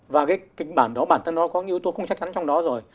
và cái kịch bản đó bản thân nó có những ưu tố không chắc chắn trong đó rồi